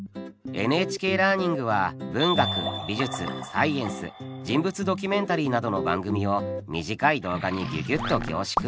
「ＮＨＫラーニング」は文学美術サイエンス人物ドキュメンタリーなどの番組を短い動画にギュギュッと凝縮。